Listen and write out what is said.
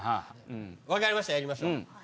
分かりましたやりましょう。